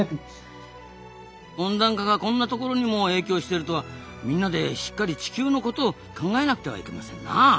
温暖化がこんなところにも影響してるとはみんなでしっかり地球のことを考えなくてはいけませんなあ。